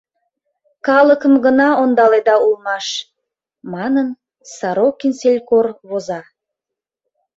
Калыкым гына ондаледа улмаш», — манын, Сорокин селькор воза.